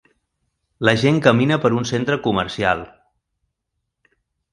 La gent camina per un centre comercial.